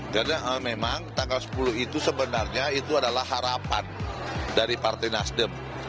karena memang tanggal sepuluh itu sebenarnya itu adalah harapan dari partai nasdem